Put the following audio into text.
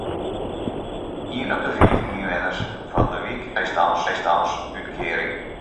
Ien op de fiif ynwenners fan de wyk hat in bystânsútkearing.